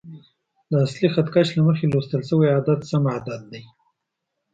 د اصلي خط کش له مخې لوستل شوی عدد سم عدد دی.